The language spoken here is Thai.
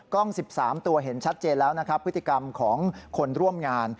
๑๓ตัวเห็นชัดเจนแล้วนะครับพฤติกรรมของคนร่วมงาน